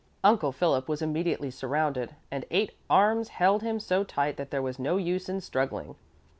Uncle Philip was immediately surrounded, and eight arms held him so tight that there was no use in struggling.